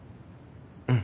うん。